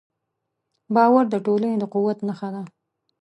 باور د ټولنې د قوت نښه ده.